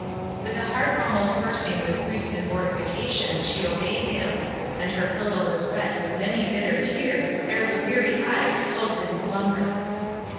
With a heart almost bursting with grief and mortification she obeyed him, and her pillow was wet with many bitter tears ere the weary eyes closed in slumber.